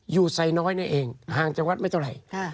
ยู่ใส่น้อยนั่นเองห่างจังหวัดไม่เท่าไร